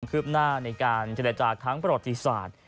คืบหน้าในการเจรจาครั้งประวัติศาสตร์